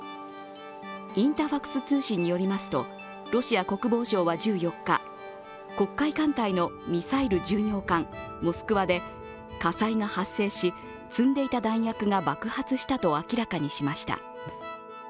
インタファクス通信によりますと、ロシア国防省は１４日、黒海艦隊のミサイル巡洋艦「モスクワ」で火災が発生し、積んでいた弾薬が爆発したと明らかにしました。